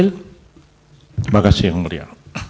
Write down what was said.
terima kasih yang mulia